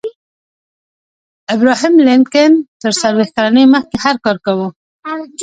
ابراهم لینکن تر څلویښت کلنۍ مخکې هر کار کاوه